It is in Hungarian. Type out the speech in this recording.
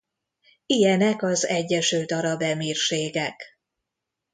Ilyenek az Egyesült Arab Emírségek.